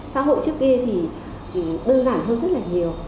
xã hội trước kia thì đơn giản hơn rất là nhiều